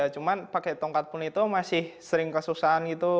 cuman pakai tongkat pun itu masih sering kesusahan gitu